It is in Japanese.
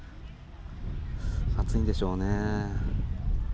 暑いんでしょうね。